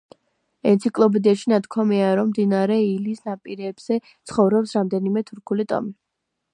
ენციკლოპედიაში ნათქვამია, რომ მდინარე ილის ნაპირებზე ცხოვრობს რამდენიმე თურქული ტომი.